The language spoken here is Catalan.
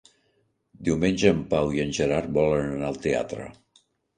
Diumenge en Pau i en Gerard volen anar al teatre.